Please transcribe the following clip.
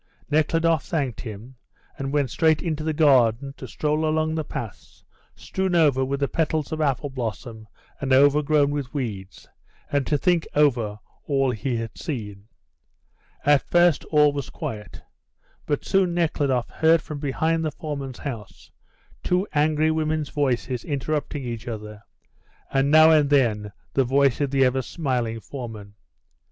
Nekhludoff thanked him, and went straight into the garden to stroll along the paths strewn over with the petals of apple blossom and overgrown with weeds, and to think over all he had seen. At first all was quiet, but soon Nekhludoff heard from behind the foreman's house two angry women's voices interrupting each other, and now and then the voice of the ever smiling foreman.